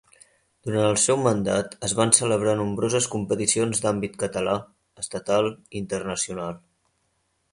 Durant el seu mandat es van celebrar nombroses competicions d’àmbit català, estatal i internacional.